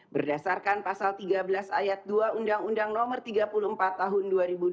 berdasarkan pasal tiga belas ayat dua undang undang no tiga puluh empat tahun dua ribu dua belas